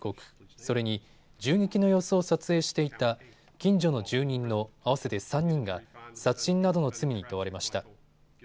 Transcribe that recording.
それに、銃撃の様子を撮影していた近所の住人の合わせて３人が殺人などの罪に問われました。